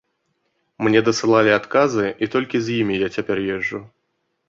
Мне дасылалі адказы, і толькі з імі я цяпер езджу.